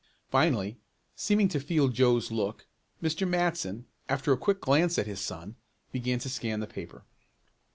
Finally, seeming to feel Joe's look, Mr. Matson, after a quick glance at his son, began to scan the paper.